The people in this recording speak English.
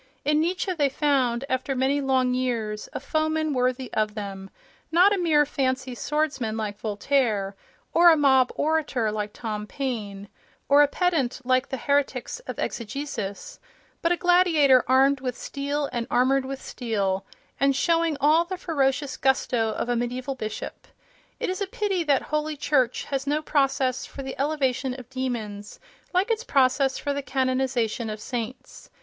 In Nietzsche they found, after many long years, a foeman worthy of them—not a mere fancy swordsman like Voltaire, or a mob orator like Tom Paine, or a pedant like the heretics of exegesis, but a gladiator armed with steel and armoured with steel, and showing all the ferocious gusto of a mediaeval bishop. It is a pity that Holy Church has no process for the elevation of demons, like its process for the canonization of saints.